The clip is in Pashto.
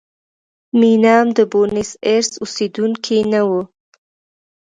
مینم د بونیس ایرس اوسېدونکی نه و.